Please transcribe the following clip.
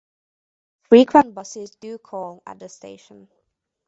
Frequent buses do call at the station.